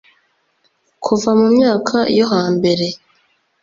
Kuva mu myaka yo hambere